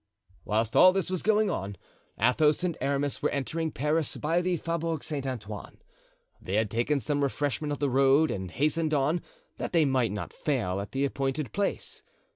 Whilst all this was going on, Athos and Aramis were entering Paris by the Faubourg St. Antoine. They had taken some refreshment on the road and hastened on, that they might not fail at the appointed place.